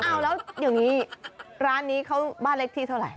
เอาแล้วอย่างนี้ร้านนี้เขาบ้านเล็กที่เท่าไหร่